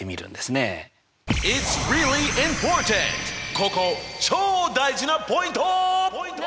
ここチョー大事なポイント！